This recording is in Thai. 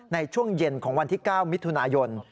ในช่วงเย็นของวันที่๙มิถุนายน